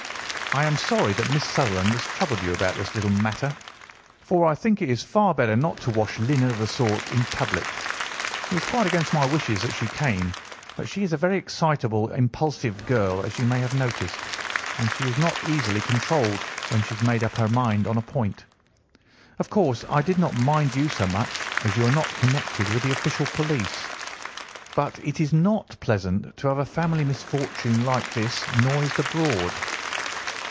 I am sorry that Miss Sutherland has troubled you about this little matter, for I think it is far better not to wash linen of the sort in public. It was quite against my wishes that she came, but she is a very excitable, impulsive girl, as you may have noticed, and she is not easily controlled when she has made up her mind on a point. Of course, I did not mind you so much, as you are not connected with the official police, but it is not pleasant to have a family misfortune like this noised abroad.